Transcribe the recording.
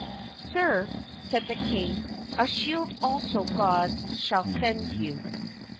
"Sir," said the king, "a shield also God shall send you."